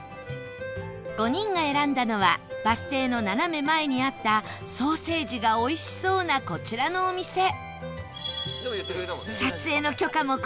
５人が選んだのはバス停の斜め前にあったソーセージがおいしそうなこちらのお店